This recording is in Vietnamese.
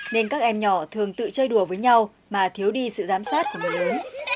nên các em nhỏ thường tự chơi đùa với nhau mà thiếu đi sự giám sát của người lớn